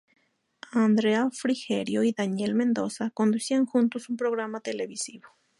Andrea Frigerio y Daniel Mendoza conducían juntos un programa televisivo.